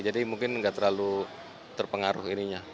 jadi mungkin tidak terlalu terpengaruh ininya